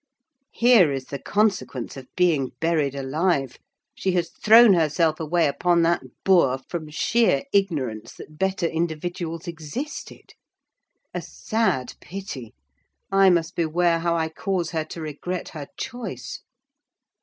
Here is the consequence of being buried alive: she has thrown herself away upon that boor from sheer ignorance that better individuals existed! A sad pity—I must beware how I cause her to regret her choice."